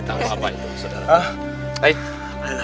tak apa apa itu saudara